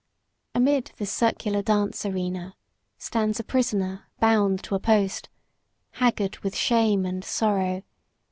Amid this circular dance arena stands a prisoner bound to a post, haggard with shame and sorrow.